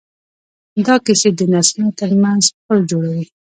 دا کیسې د نسلونو ترمنځ پل جوړوي.